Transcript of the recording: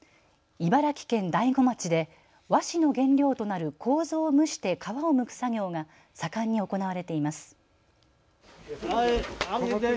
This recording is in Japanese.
茨城県大子町で和紙の原料となるこうぞを蒸して皮をむく作業が盛んに行われています。